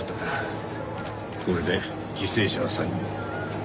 これで犠牲者は３人。